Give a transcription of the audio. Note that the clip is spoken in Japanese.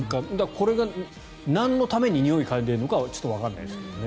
これがなんのためににおいを嗅いでるのかはちょっとわからないですけどね。